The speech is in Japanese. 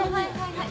はい。